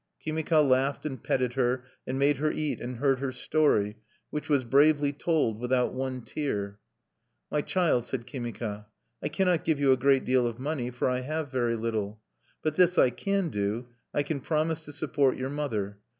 Kimika laughed, and petted her, and made her eat, and heard her story, which was bravely told, without one tear. "My child," said Kimika, "I cannot give you a great deal of money; for I have very little. But this I can do: I can promise to support your mother.